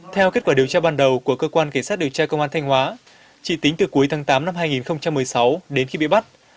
theo kết quả điều tra ban đầu của cơ quan cảnh sát điều tra công an thanh hóa chỉ tính từ cuối tháng tám năm hai nghìn một mươi sáu đến khi bị bắt